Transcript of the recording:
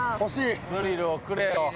スリルをくれよ。